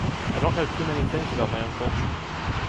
I don’t know too many things about my own culture.